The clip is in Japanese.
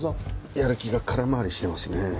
やる気が空回りしてますね。